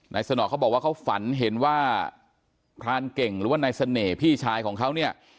สนอกเขาบอกว่าเขาฝันเห็นว่าพรานเก่งหรือว่านายเสน่ห์พี่ชายของเขาเนี่ย